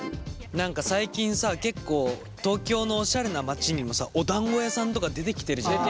何か最近さ結構東京のおしゃれな街にもさおだんご屋さんとか出てきてるじゃん。